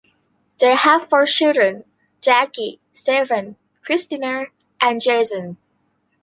They have four children: Jackie, Stefan, Christina, and Jason.